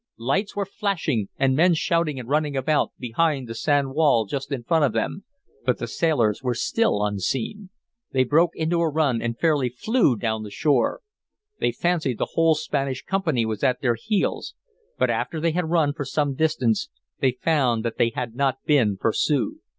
Lights were flashing and men shouting and running about behind the sand wall just in front of them, but the sailors were still unseen. They broke into a run and fairly flew down the shore. They fancied the whole Spanish company was at their heels; but after they had run for some distance they found that they had not been pursued.